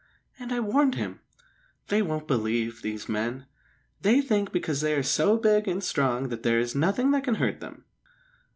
And I warned him! They won't believe, these men! They think because they are so big and strong that there is nothing that can hurt them."